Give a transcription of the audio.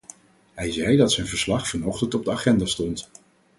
Hij zei dat zijn verslag vanochtend op de agenda stond.